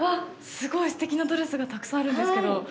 すごいすてきなドレスがたくさんあるんですけど。